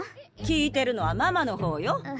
聞いてるのはママのほうよ。